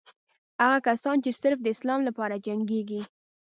هغه کسان چې صرف د اسلام لپاره جنګېږي.